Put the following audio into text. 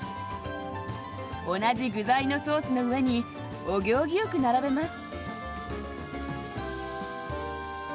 同じ具材のソースの上にお行儀よく並べます。